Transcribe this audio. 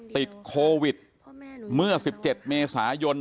ติดโควิดเมื่อ๑๗เมษายน